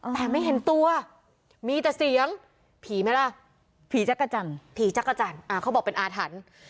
แต่ไม่เห็นตัวมีแต่เสียงผีไหมล่ะผีจักรจันทร์ผีจักรจันทร์เขาบอกเป็นอาถรรพ์